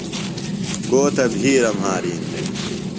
کو تہ بِھیرہ مھارِین دےۡ۔